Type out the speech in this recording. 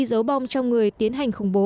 giấu bom trong người tiến hành khủng bố